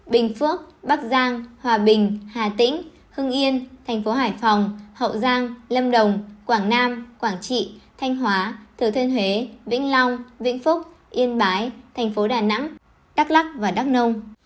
bình phước bắc giang hòa bình hà tĩnh hưng yên tp hải phòng hậu giang lâm đồng quảng nam quảng trị thanh hóa thứ thuyên huế vĩnh long vĩnh phúc yên bái tp đà nẵng đắk lắc và đắk nông